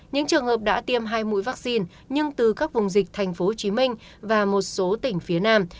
những trường hợp đã tiêm hai mũi vaccine nhưng từ các vùng dịch tp hcm và một số tỉnh phía nam